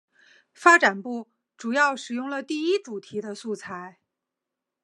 发展部主要使用了第一主题的素材。